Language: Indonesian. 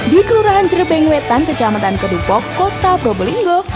di kelurahan jerebeng wetan kecamatan kedupok kota probolinggo